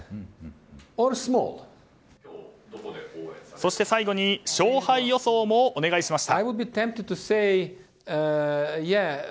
そして最後に勝敗予想もお願いしました。